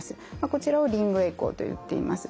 こちらをリングエコーといっています。